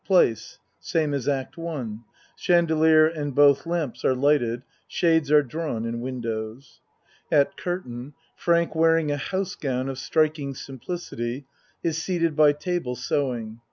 Place Same as Act I. Chandelier and both lamps are lighted shades are drawn in windows. At curtain Frank wearing a house gown of striking simplicity, is seated by table sewing.